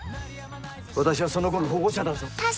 私はその子の保護者だぞ。